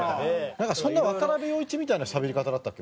なんかそんな渡部陽一みたいなしゃべり方だったっけ？